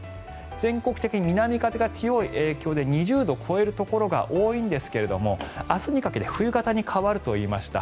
全国的に南風が強い影響で２０度を超えるところが多いんですが明日にかけて冬型に変わると言いました。